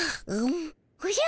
おじゃ？